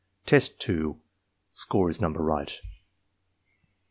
Test 2 Score is number right.